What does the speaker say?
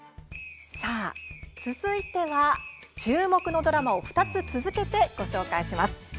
続いては、注目のドラマを２つ続けてご紹介します。